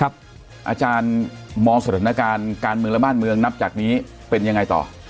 อาจารย์มองสถานการณ์การเมืองและบ้านเมืองนับจากนี้เป็นยังไงต่อ